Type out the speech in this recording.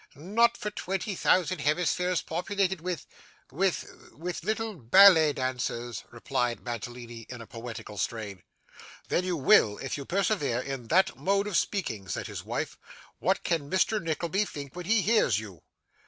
'Not for twenty thousand hemispheres populated with with with little ballet dancers,' replied Mantalini in a poetical strain. 'Then you will, if you persevere in that mode of speaking,' said his wife. 'What can Mr. Nickleby think when he hears you?